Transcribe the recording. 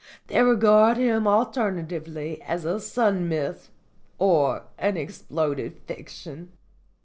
They regard him alternatively as a sun myth or an exploded fiction."